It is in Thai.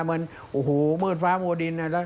เหมือนเมืองฟ้ามัวดิน